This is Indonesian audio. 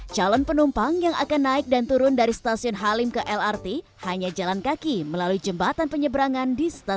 calon penumpang yang akan naik dan turun dari stasiun halim ke lrt hanya jalan kaki melalui jembatan penyeberangan di stasiun